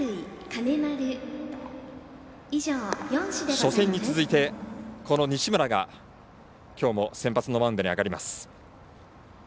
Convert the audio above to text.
初戦に続いて、西村がきょうも先発のマウンドに上がります。